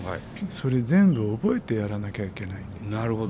それ全部覚えてやらなきゃいけない。